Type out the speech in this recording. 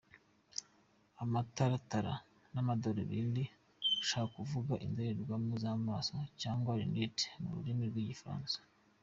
Amataratara, amadarubindi” : Bashaka kuvuga indorerwamo z’amaso cyangwa “Lunette” mu rurimi rw’igifaransa.